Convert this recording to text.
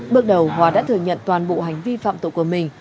bước đầu hòa đã thừa nhận toàn bộ hành vi phạm tội của mình